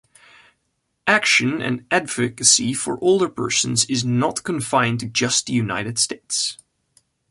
Action and advocacy for older persons is not confined just to the United States.